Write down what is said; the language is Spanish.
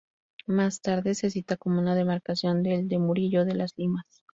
Más tarde se cita como una demarcación del de Murillo de las Limas.